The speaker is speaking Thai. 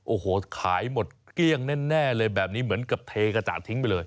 โอ้โหขายหมดเกลี้ยงแน่เลยแบบนี้เหมือนกับเทกระจาดทิ้งไปเลย